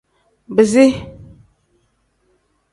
Bisi.